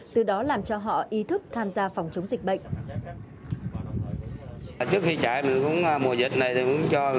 từ đó làm cho họ ý thức tham gia phòng chống dịch bệnh